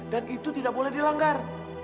dan itu tidak boleh dilanggar